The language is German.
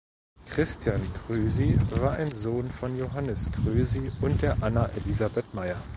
Christian Krüsi war ein Sohn von Johannes Krüsi und der Anna Elisabeth Meier.